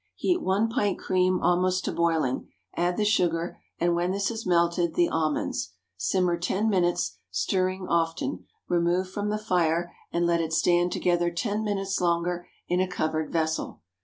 Heat one pint cream almost to boiling, add the sugar, and when this is melted, the almonds. Simmer ten minutes, stirring often, remove from the fire, and let it stand together ten minutes longer in a covered vessel.